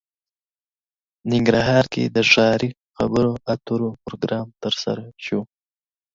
ننګرهار کې د ښاري خبرو اترو پروګرام ترسره شو